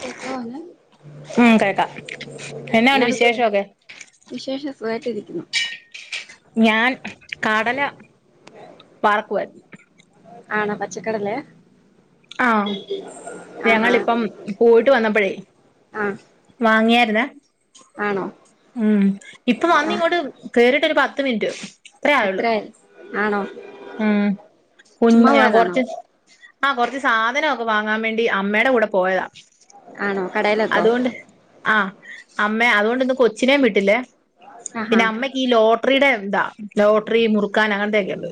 കേക്ക ഉം കേൾക്കാം എന്നാണ്ട് വക്ക വിശേഷമൊക്കെ വിശേഷ [unintelligible] നന്നായിട്ടിരിക്കുന്നു ഞാൻ കടല വരക്കുവാ ആണോ പച്ചക്കടല്ലേ ആഹ ഞങ്ങളിപ്പം പോയിട്ട് വന്നപ്പഴേ ആഹ് വാങ്ങിയ ഏയ്‌ ആണോ ഉം ഇപ്പൊ ആഹ് വന്നിങ്ങോട്ട് കേറിട്ടൊരു പത്തു പത്ത് മിനിറ്റ് അത്രേ ആയുള്ളൂ ആണോ ഉ ചുമ്മാ കുഞ്ഞ പോയതാണോ കുറച്ച് ആ കുറച്ച് വാങ്ങാൻ വേണ്ടി അമ്മയുടെ കൂടെ പോയതാ ആണോ കടയിലേക്കോ അതുകൊണ്ട് ആഹ അമ്മ അതുകൊണ്ട്ന്ന് കൊച്ചിനേും വിട്ടില്ലേ ആഹാ പിന്നെ അമ്മയ്ക്ക് ഈ ലോട്ടറിയുടെ ന്താ ലോട്ടറി മുറുക്കാൻ അങ്ങനത്തെക്കെ എണ്ട്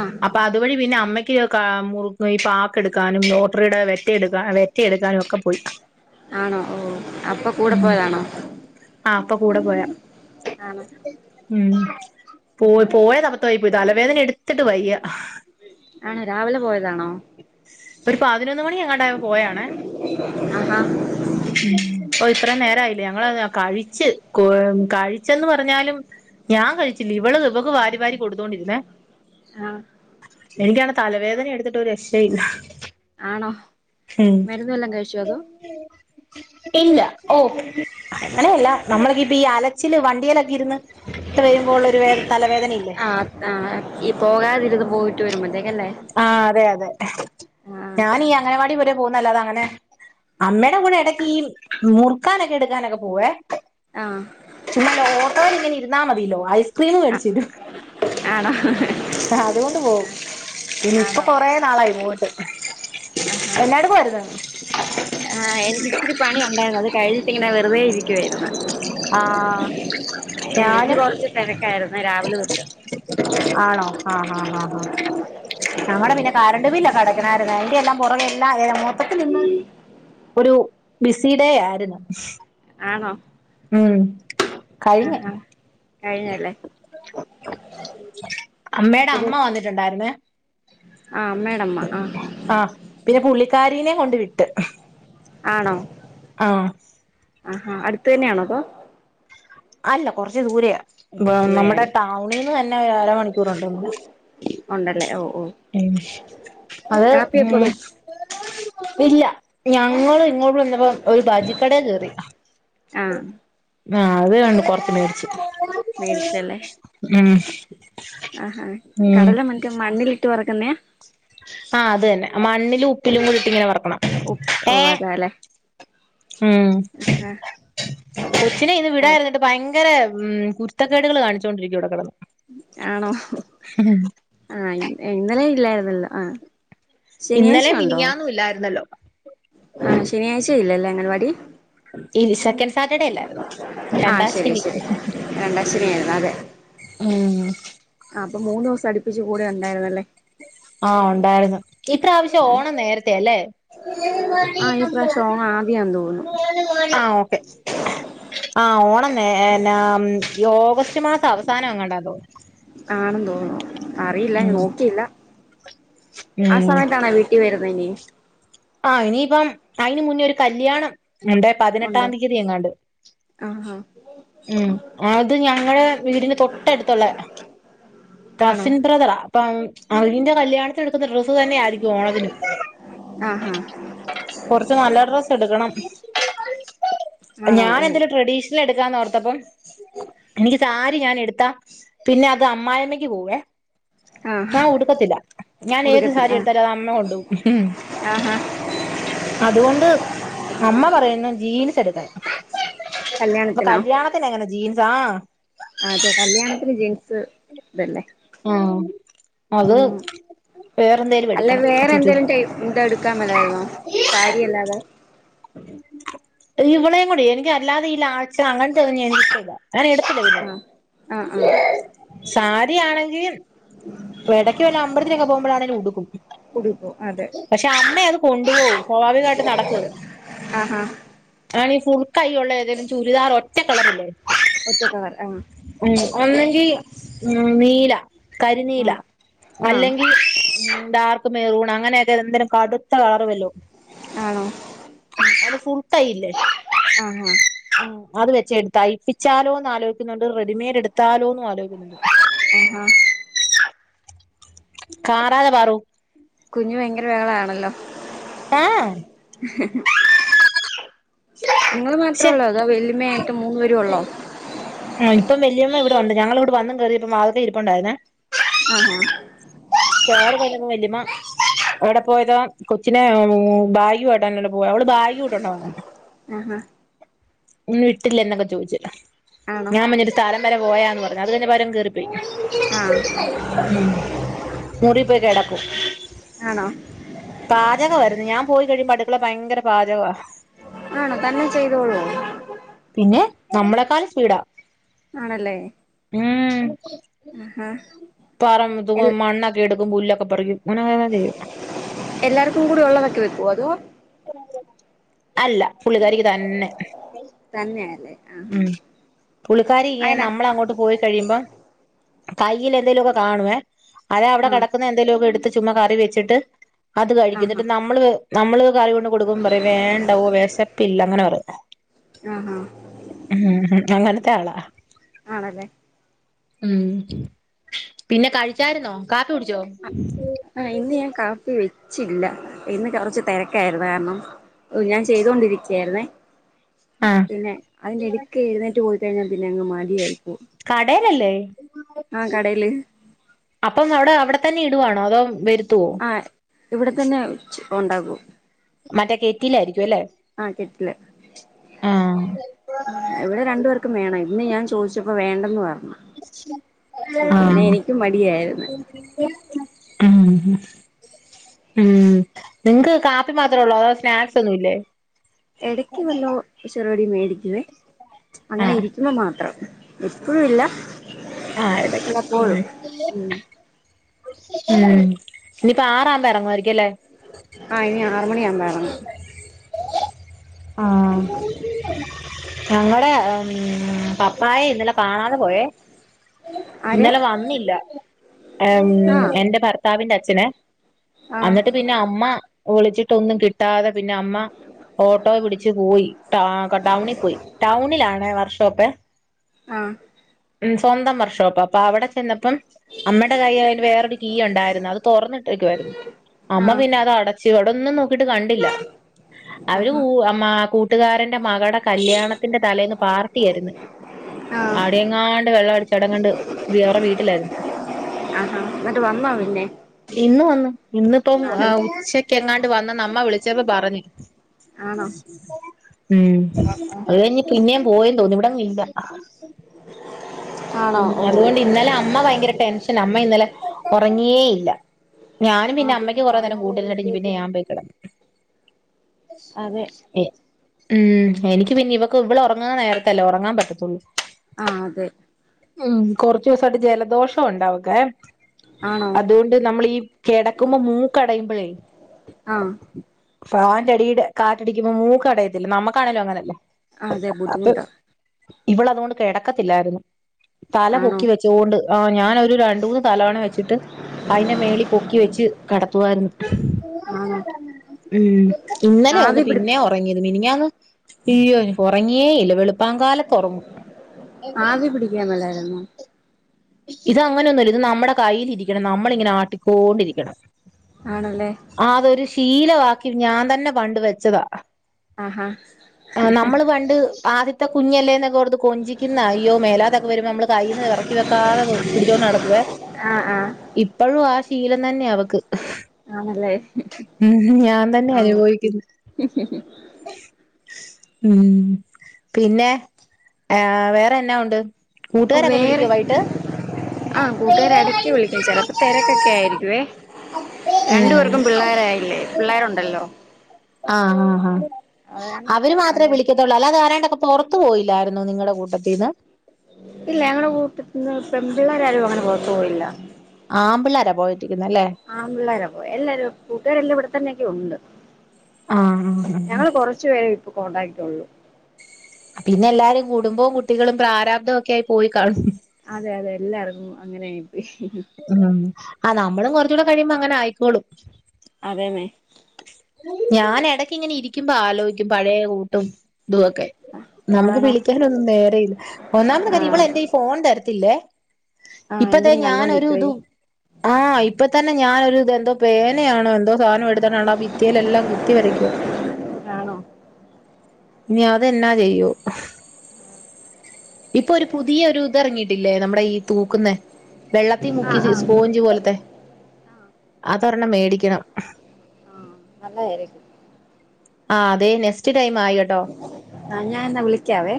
ആഹ് അപ്പൊ അതുവഴി പിന്നെ അമ്മയ് കാ മുറുക് ഈ പാക്ക് എടുക്കാനും ലോട്ടറിയുടെ വെറ്റ എടുക്കാ വെറ്റ എടുക്കാനും ഒക്കെ പോയി ആണോ ഓ അപ്പൊ കൂടെ പോയതാണോ ആഹ് അപ്പൊ കൂടെ പോയാ ആണോ ഉം പോയ് ആഹാ പോയതബദ്ധം ആയി [unintelligible] തലവേദന എടുത് ത്തിട്ട് വയ്യ ആണോ രാവിലെ പോയതാണോ ഒരു പതിനൊന്ന് മണി എങ്ങാണ്ടായപ്പോ പോയാണേ ആഹാ ഓ ഇത്ര നേര ണ്ടായില്ല ഞങ്ങള് കഴിച്ച് കൊ കഴിച്ചന്ന് പറഞ്ഞാലും ഞാൻ കഴിച്ചില്ല ഇവള് ഇവക്ക് വാരി വാരി കൊടുത്തോണ്ടിരുന്നേ ആ എനിക്കാണ് തലവേദന എടുത്തിട്ട് ഒരു രക്ഷയില്ല ആണോ ഉം മരുന്ന് വെല്ലോം കഴിച്ചോ അതോ ഇല്ല ഓ അങ്ങനെയല്ല നമ്മളക്ക ഇപ്പൊ ഈ അലച്ചില് വണ്ടിയേലൊക്കെ ഇരുന്ന് [unintelligible] വരുമ്പോള്ള ഒരു വേദ തലവേദനയില്ലേ ആഹ് ആഹ് ഈ പോകാതിരുന്ന് പോയിട്ട് വരുമ്പതെ ആ അതെ അതെ ആഹ് ഞാനി അംഗനവാടി വരെ പോ നല്ലതാ അങ്ങനെ അമ്മയുടെ കൂടെ ഇടക്ക് ഈ മുറുക്കാനൊക്കെ എടുക്കാനൊക്കെ പോവേ ആഹ് ചുമ്മാ ലോട്ടോയിൽ ഇങ്ങനെ ഇരുന്നാ മതില്ലോ ഐസ്ക്രീമ് മേടിച്ചരും ആണോ അതുകൊണ്ട് പോവും ഇനി ഇപ്പൊ ആണോ കൊറേ നാളായി ഇങ്ങോട്ട് ആഹാ എന്നാട്ക്കുവാരുന്ന് ആഹ് റുതേ ഇരിക്കുവാരുന്ന് ആഹ ഇന്ന് ഞാനും കൊറച്ച് തിരക്കായിരുന്നു രാവിലെ തൊട്ട് ആണോ ആ ഹാ ഹാ ഹാ ഞങ്ങടെ പിന്നെ കരണ്ടു ബില്ലൊക്കെ അടക്കണാരുന്നു അതിന്റെ എല്ലാം പുറകെ എല്ല ഏ മൊത്തത്തിൽ ഇന്ന് ഒരു ബിസി ഡേ ആരുന്ന് ആണോ ഉം കഴിഞ്ഞ് ആഹാ കഴിഞ്ഞല്ലേ അപ്പൊ കൊ ആഹ് അമ്മയുടെ അമ്മ ആഹ് ആ പിന്നെ പുള്ളിക്കരി ഇതിനെ കൊണ്ട് വിട്ട് ആണോ ആഹ് ആഹാ അടുത്ത് തന്നെയാണോ അതോ അല്ല കൊറച്ച് ദൂരെയാ നമ്മുടെ ദൂരെയാല്ലേ ടൗണിൽന്ന് തന്നെ ഒരു അര മണിക്കൂറുണ്ട് ഉണ്ടല്ലേ ഓ ഓ അത് കാപ്പിയൊക്കെ മ്മ് വെ ഇല്ല ഞങ്ങള് ഇങ്ങോട്ട് വന്നപ്പോ ഒരു ബജിക്കടെ കേറി ആഹ് ആഹ് അത് കുറച്ച് മേടിച്ചു മേടിച്ചല്ലേ ഉം ആഹ് ഹ ഉം കടല മറ്റേ മണ്ണിലിട്ട് വറക്കുന്നതാ ആഹ് അത് തന്നെ മണ്ണിലും ഉപ്പിലും കൂടി ഇട്ട് ഇങ്ങനെ വറക്ക ണം ഓ ഓ അതാല്ലേ മ്മ് ആഹ് കൊച്ചിനെ ഇന്ന് ഓ വിടായിരുന്നിട്ട് ഭയങ്കര ഭയങ്കര മ്മ് കുരുത്തക്കേടുകൾ കാണിച്ചു കൊണ്ടിരിക്കുവാ ഇവിടെ കിടന്ന് ആണോ ആഹ് ഇന്നലെ ല്ലായിരുന്നല്ലോ ആഹ് ശനിയാഴ്ച ഇന്നലെ ഉണ്ടോ മിനിഞ്ഞാന്നും ഇല്ലായിരുന്നല്ലോ ആഹ് ശനിയാഴ്ച ഇല്ലല്ലേ അംഗൻവാടി ഈ സെക്കൻഡ് സാറ്റർഡേ അല്ലായിരുന്നോ ആഹ് രണ്ടാം ശരി ശനി ശരി രണ്ടാം ശനിയായിരുന്നു അതെ മ്മ് ആഹ് അപ്പൊ മൂന്ന് ദിവസം അടിപ്പിച്ച് കൂടെ ഉണ്ടായിരുന്നല്ലേ ആഹ് ഉണ്ടായിരുന്നു ഇപ്രാവശ്യം ഓണം നേരത്തെയാല്ലേ ആഹ് ഈ പ്രാവശ്യം ഓണം ആദ്യാന്ന് തോന്നുന്നു ആ ഓക്കെ ആ ഓണം നേ ഈ ഓഗസ്റ്റ് മാസം അവസാനം അങ്ങാണ്ട തോന്നുന്നു ആണെന്ന് തോന്നുന്നു അറിയില്ല ഞാൻ ഉം നോക്കിയില്ല ആ സമയത്തണോ വീട്ടിൽ വരുന്നത് പനി ആ ഇനിയിപ്പം അയിന് മുന്നേ ഒരു കല്യാണം എണ്ട് ഉണ്ടോ പതിനെട്ടാം തീയതി എങ്ങാണ്ട് ആഹാ മ്മ് അത് ഞങ്ങളുടെ വീടിന് തൊട്ട എടുത്തുള്ള ആണോ കസിൻ ബ്രദ്റാ അപ്പം അതിന്റെ കല്യാണത്തിന് എടുക്കുന്ന ഡ്രസ്സ് തന്നെ ആയിരിക്കും ഓണത്തിനും ആഹാ കൊറച്ച് നല്ല ഡ്രസ്സ് എടുക്കണം ആണോ ഞാൻ ഓ എന്തേലും ട്രഡീഷണൽ എടു ന്നോർത്തപ്പം എനിക്ക് സാരി ഞാൻ എടുത്താ പിന്നെ അത് അമ്മായിമ്മക്ക് പോവേ ആഹ് ഞാൻ ഉടുക്കത്തില്ല ഞാൻ ഏത് ഉടുക്കത്തില്ല സാരി ആഹ് എടുത്താലും അത് അമ്മ കൊണ്ടുപോകും ആഹാ അതുകൊണ്ട് അമ്മ പറയുന്നു ജീൻസ് എടുക്കാൻ അപ്പ കല്യാണത്തിനോ കല്യാണത്തിന് എങ്ങനെ ജീ ആ അതെ കല്യാണത്തിന് ജീൻസ് തല്ലേ ആഹ് അത് ഉം വേറെന്തേലും അല്ല എടുക്കണം വേറെ എന്തെലും ടൈ എന്താ എടുക്കാൻ മേലാരുന്നോ സാരിയല്ലാതെ ഇവളുംകൂടി എനിക്ക് അല്ലാതെ ഈ ലാച്ച അങ്ങനത്തെ ഒന്നും ഞാൻ ഇഷ്ടം ഇല്ല ആഹ് ആഹ് ആഹ് [unintelligible] സാരി ആണെങ്കിൽ വെടക്ക് വല്ല അമ്പലത്തിൽ പോവുമ്പോയാണെങ്കിലും ടുക്കും ഉടുപ്പു അതെ പക്ഷേ അമ്മ അദ് കൊണ്ട് പോവും സ്വഭാവിക മായിട്ട് നടക്കു അദ് അ ആ ആ ഈ ഫുൾ കൈ ഒള്ള ഏതെലും ചുരിദാറ് ഒറ്റ കളറില്ലേ ഒറ്റക്കളർ ആ ഈ ഉം നീല കരിനീല ആഹ് ആഹ് അല്ലെങ്കി ഉം ഡാർക്ക് മെറൂൺ അങ്ങനെയൊക്കെ എന്തെലും കടുത്ത കളറ് വല്ലോ ആണോ അത് ഫുൾ കൈയില്ലേ ആ ആ ഉം അത് വെച്ച് തയ്പ്പിച്ചാലോന്ന് ആലൊയിക്കുന്നുണ്ട് റെഡിമെയ്ഡ് എടുത്താലോന്നും ആലോയി ആഹാ [unintelligible] കാറതെ പാറു ഭഹളാണല്ലോ ഏഹ് നിങ്ങള് മാത്രേ ഒള്ളോ അതൊ വെല്ല്യമ്മയായിട്ട് മൂനുപേരു ഉള്ളോ ആ ഇപ്പ വല്യമ്മ ഇവിടെ ഉണ്ട് ഞങ്ങള് ഇവിടെ വന്നു കേയറിയപ്പം വാത്ക്കെ ഇരിപ്പൊണ്ടാരുന്നേ ആ ആ [unintelligible] വല്യമ്മ എവിടെ പോയതാ കൊച്ചിനെഉം ബായ്ഗുവായിട്ടാണ്ണ് പോ അവള് ബായ്ഗു ഇട്ടൊണ്ട വന്നേ ആ ആ ഇന്ന് വിട്ടില്ലേ എന്നൊക്കെ ചോദിച് ആണോ ഞാൻ മഞ്ഞു ഒരു സ്ഥലം വരെ പോയാ ന്ന് പറഞ്ഞ അത് തന്നെ പകരം കേറിപ്പോയി ആഹ് ഉം മുടിപോയ്‌ കെടക്കും ആണോ പാചകവാരുന്നു ഞാൻ പോയി കഴിയുമ്പോ അട് ള് പയങ്കര പാചകവാ ആണോ തന്നെ ചെയ്തോളൂവോ പിന്നെ നമ്മളെക്കാൽ സ്പീടാ ആണല്ലേ ആഹ് പറമ്പുതു [unintelligible] മണ്ണെക്കെ എടുക്കും പുല്ല് എല്ലാർക്കും കൂടി ഒള്ളതൊക്കെ വെക്കോ അതോ അല്ല പുള്ളിക്കാരിക്ക് തന്നെ തന്നെയല്ലേ ആഹാ ഉം പുള്ളിക്കാരി യെ അയനാ നമ്മള അങ്ങോട്ട് പോയി കഴിയുമ്പം കയ്യിലെന്തേലുവൊക്കെ കാണുവേ അതവിടെ ആഹ് കിടക്കുന്ന എന്തേലുവൊക്കെ എടുത്ത് ചുമ്മ കറി വെച്ചിട്ട് അത് കഴിക്കു ആഹാ ന്നട്ട് നമ്മള് ത് നമ്മള് കറി കൊണ്ട് കൊടുക്കുമ്പൊ പറിം വേണ്ടാ. ഒഹ് വെശപ്പില്ല അങ്ങനെ പറിം ആഹാ ഉം അങ്ങനെ തള ആണല്ലേ ഉം പിന്നെ കഴിച്ചാരുന്നോ കാപ്പി കുടിച്ചോ ചില്ല ഇന്ന് കുറച്ച് തിരക്കായിരുന്നകാരണം ഓ ഞാൻ ചെയ്തൊണ്ടിരിക്കയാരുന്നെ ആഹ് പിന്നെ അതിന്റെ ഇടുക്ക് എഴുന്നേറ്റ് പോയി [unintelligible] പിന്നങ്ങ് മടിയായിപ്പോയി കടേലല്ലേ അപ്പം അവിടെ അവിടെ തന്നെ ഇടുവാണോ അതോ വരു ത്തുവോ ആഹ് ഇവിടെ തന്നെ ഉണ്ടാകും മറ്റേ കേറ്റിലാരിക്കു ല്ലേ കെറ്റില് ഉം ഇവിടെ രണ്ടു പേർക്കും വേണം ഇന്ന് ഞാൻ ചോദിച്ചപ്പോ വേണ്ടെന്ന് പറഞ്ഞ് ആഹ് എനിക്കും മടിയായിരുന്നു ഉം ഉം നിങ്ങക്ക് കാപ്പി മാത്രേ ഉള്ളോ അതോ സ്നാക്സ് ഒന്നു ഇല്ലേ? ഇടക്ക് വെല്ലോ ചെറുകടി മേടിക്കുവേ അങ്ങനെ ആഹ് ഇരിക്കുമ്പോ മാത്രം. എപ്പഴും ഇല്ല. ആഹ് എടക്ക് ഉം വല്ലപ്പോഴും ഉം ഉം ഇനീപ്പ ആറാവുമ്പോ എറങ്ങുവായിരിക്കും അല്ലേ ആ ഇനി ഒ രാറു മണി ആകുമ്പ എറങ്ങും ആഹ് ഞങ്ങടെ ഉം പപ്പായെ ഇന്നലെ കാണാതെ പോയേ ആര് ഇന്നലെ വന്നില്ല ആഹ് [unintelligible] എന്റെ ഭർത്താവിന്റെ അച്.. [inaudible] ച്ഛനെ ആഹ് എന്നിട്ട് പിന്നെ അമ്മ ഒളിച്ചിട്ട് ഒന്നും കി കിട്ടാതെ പിന്നെ അമ്മ ഓട്ടോ പിടിച്ച് പോയി ടൗണിൽ പോയി ടൗണിലാണേ വർക്ക്ഷോപ്പ് ആഹ് ഉം സ്വന്തം വർഷോപ്പ് അപ്പ അവിടെ ചെന്ന [unintelligible] അപ്പം അമ്മടെ കയ്യിൽ അതിന് വേറൊരു കീ ഉണ്ടായിരുന്നു അത് തുറന്നിട്ടേക്കുവാരുന്നു അമ്മ ആഹ് പിന്നെ അത് അടച്ച് [unintelligible] [unintelligible] നോക്കിട്ടു കണ്ടില്ല അവരു.. ആഹാ [unintelligible] ട്ടുകാരൻ [unintelligible] ന്റെ മകടെ കല്യാണത്തിന്റെ തലേന്ന് പാർട്ടി ആരുന്നു ആഹ് അവിടെ എങ്ങാണ്ട് വെള്ളം അടിച്ചവിടങ്ങണ്ട് [unintelligible] വീട്ടിലായിരുന്നു ആഹാ എന്നിട്ട് വന്നോ പിന്നെ ഇന്ന് വന്ന് ഇന്നിപ്പോ ആണ ഉച്ചക്ക് എങ്ങാണ്ട് വന്ന വിളിച്ചപ്പോ പറഞ്ഞു ആണോ ഉം അത് കഴിഞ്ഞ് പിന്നേം പോയന്ന് തോന്ന ഇവിടെങ്ങുല്ല ആണോ ഉം ഓ അതുകൊണ്ട് ഇന്നലെ അമ്മ ഭയങ്കര ടെൻഷൻ അമ്മ ഇന്നലെ ഉറങ്ങി ങ്ങിയേ ഇല്ല ഞാനും പിന്നെ ആ അമ്മക്ക് കുറേ നേരം കാണാതെ കൂട്ടിരുന്നിട്ട് പിന്നെ വരുമ്പത്തേക്ക് ഞാൻ പോയിക്കിടന്ന് അതെ ഉം എനിക്ക് പിന്നെ ഇവക്ക് ഇവളെ ഉറ ഉറങ്ങുന്ന നേരത്തെല്ലേ ഉറങ്ങാൻ പറ്റത്തുള്ളൂ ആഹ് അതെ ഉം കൊറച്ചു ദിവസമായിട്ട് ജലദോഷം ഉണ്ടാവക്കെ ആണോ അതുകൊണ്ട് നമ്മളീ കിടക്കുമ്പോ മൂക്കടയുമ്പോഴേ ആഹ് ഫാൻന്റെ അടിയിലെ കാറ്റ് അടിക്കുമ്പോ മൂക്ക് അടയത്തില്ലേ നമുക്കാണേലും അങ്ങനെയല്ലേ അതെ ബുദ്ധിമുട്ടാ ഇവൾ അതുകൊണ്ട് കിടക്കത്തില്ലായിരുന്നു തല ആണോ പൊക്കി വെച്ചോണ്ട് [unintelligible] ഞാന് ഒരു രണ്ട് മൂന്ന് തലവണ വെച്ചിട്ട് അതിന്റെ മോളിൽ പൊക്കി വെച്ച് കിടത്തുവാരുന്നു ആണോ ഉം ഇന്നലെയാ ഒന്ന് ആവി പിടി പിന്നെ ഉറങ്ങിയത് മിനിഞ്ഞാന്ന് അയ്യോ ഉറങ്ങിയേ ഇല്ല വെളുപ്പ [unintelligible] ങ്കാലത്തുറങ്ങും മളരരുന്നു ഇത് അങ്ങനെൊന്നുംല്ല ഇത് നമ്മുടെ കയ്ൽിരിക്കണം നമ്മളിങ്ങനെ ആട്ടിക്കൊണ്ടിരിക്കണം ആണല്ലേ ശീലവാക്കി ഞാൻ തന്നെ പണ്ട് വെച്ചതാ ആഹാ ആ നമ്മള് പണ്ട് ആദ്യത്തെ കുഞ്ഞല്ലേന്നൊക്കെ കൊടുത്ത് കൊഞ്ചിക്കുന്ന അയോ മേലാതൊക്കെ വരുമ്പോ നമ്മള് കയ്യിൽ നിന്ന് ഇറക്കി വ പിടിച്ചോ നടക്ക ആഹ് ആഹ് ഇപ്പോഴും ആ ശീലം തന്നെ അവക്ക് ആണല്ലേ ഉ ഞാൻ തന്നെ ആഹ് അനുഭവിക്കുന്നു ഉം പിന്നെ ഏ വേറെന്നാ ഉണ്ട് കൂട്ടുകാരൊക്കെ വിളിക്കുവ വായിട്ട് ആകൂട്ടുകാര് എടക്ക് വിളിക്കും ചെിലപ്പോ തിരക്കൊക്കെ ആയിരിക്കുവേ ആഹ് രണ്ടു പേർക്കും പിള്ളോരായില്ലേ പിള്ളേരുണ്ടല്ലോ ആ ആ ആ അത് കാരണം അവര് മാത്രമേ വിളിക്കത്തുള്ളൂ അല്ല അത് അരാണ്ടൊക്കെ പുറത്തു പോയില്ലായിരുന്നു നിങ്ങളുടെ കൂട്ടത്തിൽന്ന് ഇല്ല ഞങ്ങളടെ കീട്ടന്ന് ഇപ്പ പിള്ളേരാരും അങ്ങനെ പോറത്തു പോയില്ല ആമ്പിള്ളേരാ പോയിട്ടിരിക്കുന്നെ അല്ലേ ആമ്പിള്ളേരാ പോയേഎല്ലാരും കൂട്ടുകാരെല്ലാം ഇവിടെത്തന്നെക്കെ ഉണ്ട് ആഹ് ആഹ് ഞങ്ങള് കൊറച്ചു പേര ഇ കോണ്ടാക്റ്റ് ഉള്ളൂ പിന്നെ എല്ലാരും കുടുംബവും കുട്ടികളും പ്രാരാബ്ദമൊക്കെ ആയി പോയി കാണും അതെ അതെ എല്ലാവർക്കും അങ്ങനെയ ഉം ആ നമ്മളും കുറച്ചുകൂടെ കഴിയുമ്പോ അങ്ങനെ ആയിക്കോളും അതേന്നേ ഞാന ഇടക്ക് ഇങ്ങനെ ഇരിക്കുമ്പോ ആലോചിക്കും പഴേകൂട്ടും ഇതൊക്കെ നമുക്ക് ആണോ വിളിക്കാന ഒന്നും നേരെ ഇല്ല ഒന്നാമത് കാര്യം ആഹ് ഇവള എന്റെ ഈ ഫോൺ തരത്തില്ലേ ആഹ് ഇപ്പത്തെ എന്തേലും ഞാനൊരു ഇത് കണ്ടോണ്ടിരിക്കുവയ്യോ ആ ഇപ്പ തന്നെ ഞാനൊരു എന്തോ പേനയാണോ എന്തോ സാധ എന്തനാവോ ബിത്തേ ലെല്ലാം കുത്തി വരയ്ക്കുവ ആണോ ഇനി അത് എന്നാ ചെയ്യോ ഇപ്പൊ ഒരു പുതിയ ഒരു ഇത ഇറങ്ങീട്ടില്ലേ നമ്മുടെ ഈ തൂക്കുന്നെ വെള്ളത്തി മുക്കി ആഹ് ആഹ് സ്പോഞ്ച് പോലത്തെ അതൊരെണ്ണം മേടിക്കണം നല്ല ആയിരിക്കും ആഹ് അതെ നെസ്റ്റ് ആ ഞാനെ എന്നാ വിളിക്കാവേ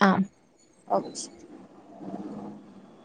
ആ [unintelligible]